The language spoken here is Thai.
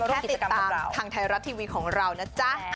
เพียงแค่ติดตามทางไทยรัฐทีวีของเรานะจ๊ะ